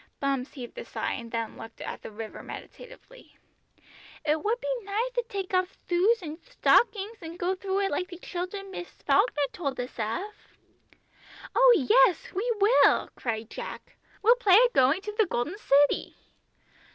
Bumps heaved a sigh, and looked at the river meditatively. "It would be nithe to take off shoes and stockings, and go through it like the children Miss Falkner told us of." "Oh yes, we will," cried Jack. "We'll play at going to the Golden City."